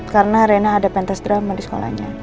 karena rina ada pentas drama di sekolahnya